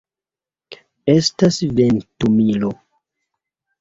Estas ventumilo.